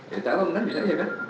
jadi kalau benar bisa ya kan